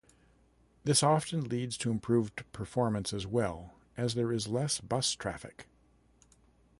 This often leads to improved performance as well, as there is less bus traffic.